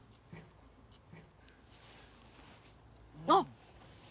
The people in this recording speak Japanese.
あっ。